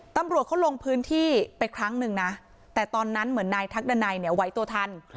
ตำรวจเขาลงพื้นที่ไปครั้งหนึ่งนะแต่ตอนนั้นเหมือนนายทักดันัยเนี่ยไหวตัวทัน